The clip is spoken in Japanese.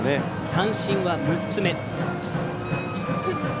三振は６つ目。